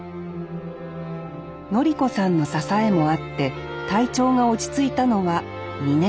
教子さんの支えもあって体調が落ち着いたのは２年後。